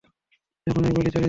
যখনই বলি চলে যায়।